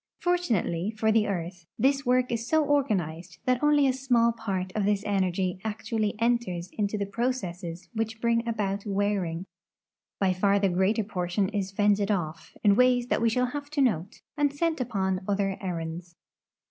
Fortunately for the earth, this work is so organized that only a small part of this energy actualh' enters into the j)rocesses which bring about wearing. By far the greater portion is fended off, in ways that we shall have to note, and sent upon other errands.